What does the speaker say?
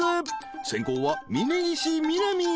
［先攻は峯岸みなみ］